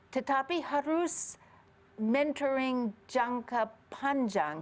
tetapi harus mentoring jangka panjang